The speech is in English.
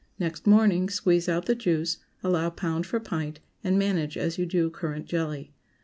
Next morning, squeeze out the juice, allow pound for pint, and manage as you do currant jelly.